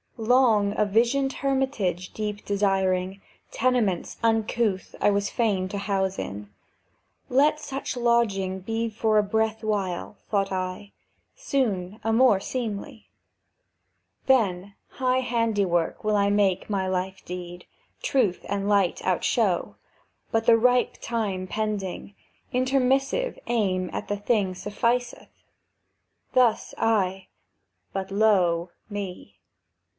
Long a visioned hermitage deep desiring, Tenements uncouth I was fain to house in; "Let such lodging be for a breath while," thought I, "Soon a more seemly. "Then, high handiwork will I make my life deed, Truth and Light outshow; but the ripe time pending, Intermissive aim at the thing sufficeth." Thus I ... But lo, me!